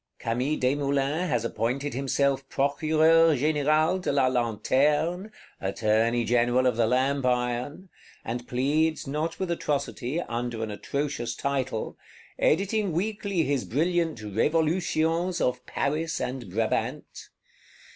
Camille Desmoulins has appointed himself Procureur Général de la Lanterne, Attorney General of the Lamp iron; and pleads, not with atrocity, under an atrocious title; editing weekly his brilliant Revolutions of Paris and Brabant.